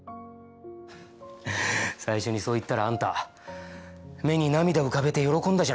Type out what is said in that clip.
最初にそう言ったらあんた目に涙を浮かべて喜んだじゃない。